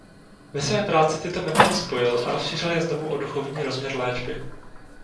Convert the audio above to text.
Ve své práci tyto metody spojil a rozšířil je znovu o duchovní rozměr léčby.